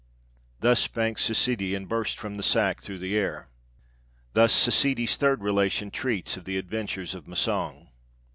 Thus spake Ssidi, and burst from the sack through the air. Thus Ssidi's third relation treats of the adventures of Massang.